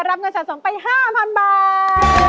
รับเงินชัดส่งไป๕๐๐๐บาท